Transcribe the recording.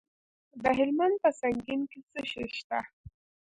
د هلمند په سنګین کې څه شی شته؟